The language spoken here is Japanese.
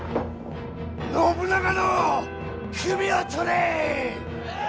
信長の首を取れ！